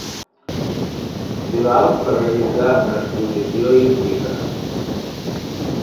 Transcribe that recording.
Sebald per realitzar una exposició i un llibre.